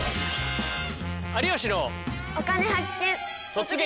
「突撃！